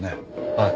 はい。